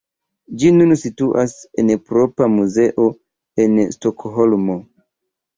Ĝi nun situas en propra muzeo en Stokholmo.